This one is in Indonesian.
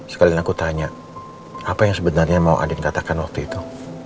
sekalian aku tanya apa yang sebenarnya mau adin katakan waktu itu